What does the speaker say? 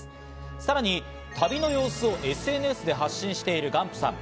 さらに旅の様子をＳＮＳで発信しているガンプさん。